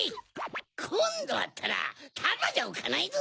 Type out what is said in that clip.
こんどあったらただじゃおかないぞ！